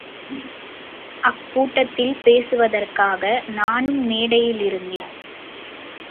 அக்கூட்டத்தில் பேசுவதற்காக நானும் மேடையிலிருந்தேன்.